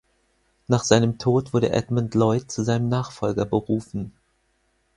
Nach seinem Tod wurde Edmund Lloyd zu seinem Nachfolger berufen.